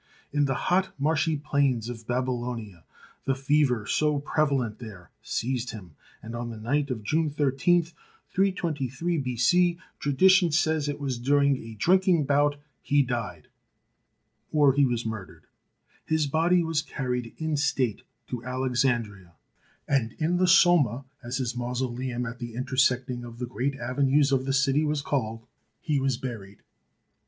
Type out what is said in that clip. In the hot marshy plains of Babylonia, the fever, so prevalent there, seized him, and on the night of June 13, 323 B.C., tradition says it was during a drinking bout, Ptolemy Soter THE PHAROS OF ALEXANDRIA 173 he died, or he was murdered. His body was carried in state to Alexandria, and in the Soma, as his mausoleum at the intersecting of the great avenues of the city was called, he was buried.